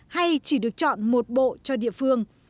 hay chỉ được chọn một bộ cho địa phương